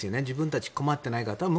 自分たちは困ってないから。